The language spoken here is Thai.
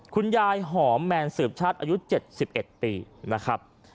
คุณยายหอมแมนสืบชาติอายุ๗๑ปีนะครับ